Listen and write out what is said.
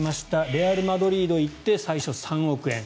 レアル・マドリード行って最初、３億円。